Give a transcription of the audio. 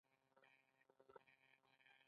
د افغانستان جغرافیه کې ستوني غرونه ستر اهمیت لري.